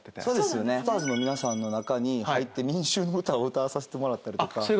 そうですよねＳｔａｒＳの皆さんの中に入って『民衆の歌』を歌わさせてもらったりとか。